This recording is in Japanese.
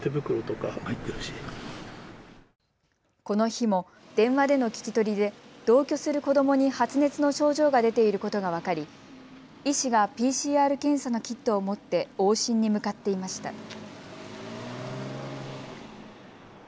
この日も電話での聞き取りで同居する子どもに発熱の症状が出ていることが分かり医師がＰＣＲ検査のキットを持って往診に向かっていました。